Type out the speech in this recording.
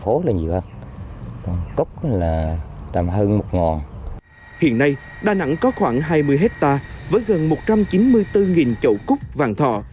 hiện nay đà nẵng có khoảng hai mươi hectare với gần một trăm chín mươi bốn chậu cúc vàng thọ